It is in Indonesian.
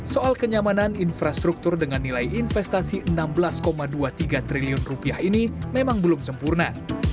soal kenyamanan infrastruktur dengan nilai investasi rp enam belas dua puluh tiga triliun rupiah ini memang belum sempurna